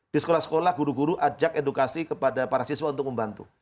di sekolah sekolah guru guru ajak edukasi kepada para siswa untuk membantu